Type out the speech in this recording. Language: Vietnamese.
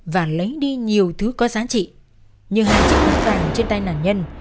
và lấy đi nhiều thứ có giá trị như hai chiếc máy khoảng trên tay nạn nhân